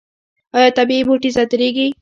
آیا طبیعي بوټي صادریږي؟